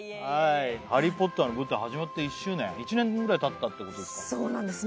ハリー・ポッターの舞台始まって１周年１年ぐらいたったってことですかそうなんです